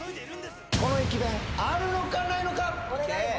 この駅弁あるのかないのか？